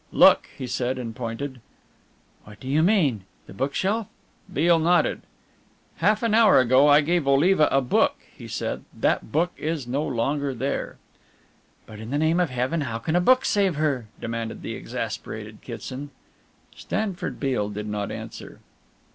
"Look," he said, and pointed. "What do you mean, the bookshelf?" Beale nodded. "Half an hour ago I gave Oliva a book," he said, "that book is no longer there." "But in the name of Heaven how can a book save her?" demanded the exasperated Kitson. Stanford Beale did not answer.